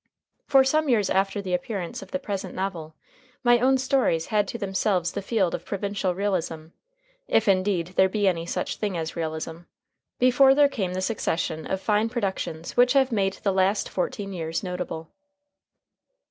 For some years after the appearance of the present novel, my own stories had to themselves the field of provincial realism (if, indeed, there be any such thing as realism) before there came the succession of fine productions which have made the last fourteen years notable.